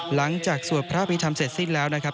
หลังจากสวดพระอภิธรรมเสร็จสิ้นแล้วนะครับ